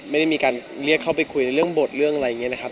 ไม่ได้มีการเรียกเข้าไปคุยเรื่องบทเรื่องอะไรอย่างนี้นะครับ